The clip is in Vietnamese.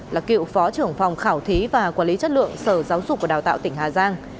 là cựu phó trưởng phòng khảo thí và quản lý chất lượng sở giáo dục và đào tạo tỉnh hà giang